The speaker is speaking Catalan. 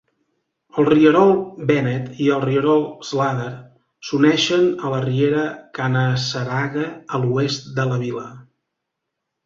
El rierol Bennett i el rierol Slader s'uneixen a la riera Canaseraga a l'oest de la vila.